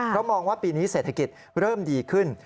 เพราะมองว่าปีนี้เศรษฐกิจเริ่มดีขึ้น